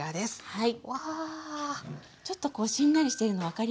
はい。